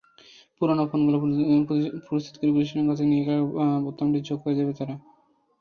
পুরোনো ফোনগুলো প্রস্তুতকারী প্রতিষ্ঠানের কাছে নিয়ে গেলে বোতামটি যোগ করে দেবে তারা।